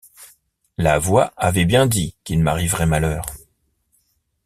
La voix avait bien dit qu’il m’arriverait malheur !